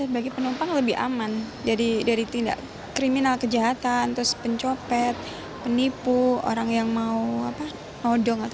bagi penumpang lebih aman dari tindak kriminal kejahatan terus pencopet penipu orang yang mau apa nodong